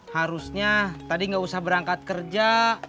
harusnya tadi nggak usah berangkat kerja